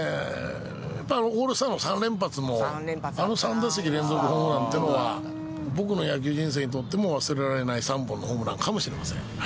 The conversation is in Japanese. やっぱりオールスターの３連発もあの３打席連続ホームランっていうのは僕の野球人生にとっても忘れられない３本のホームランかもしれません。